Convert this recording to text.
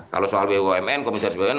kalau soal bumn komisaris bumn